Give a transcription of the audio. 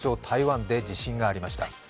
台湾で地震がありました。